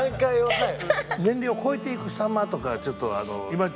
はい。